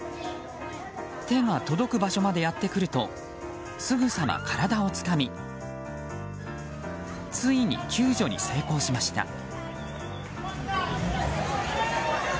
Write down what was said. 手が届く場所までやってくるとすぐさま体をつかみついに、救助に成功しました。